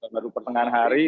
baru pertengahan hari